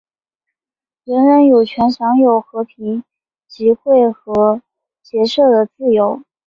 人人有权享有和平集会和结社的自由。